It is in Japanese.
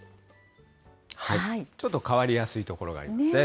ちょっと変わりやすい所がありますね。